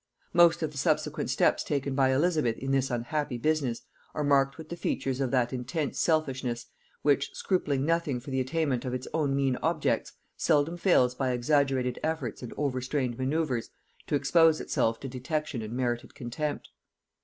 Most of the subsequent steps taken by Elizabeth in this unhappy business are marked with the features of that intense selfishness which, scrupling nothing for the attainment of its own mean objects, seldom fails by exaggerated efforts and overstrained manoeuvres to expose itself to detection and merited contempt.